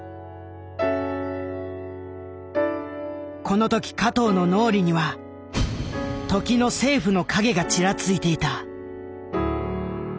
この時加藤の脳裏には時の政府の影がちらついていた。